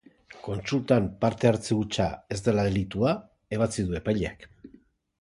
Kontsultan parte hartze hutsa ez dela delitua ebatzi du epaileak.